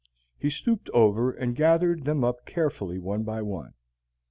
He stooped over and gathered them up carefully one by one.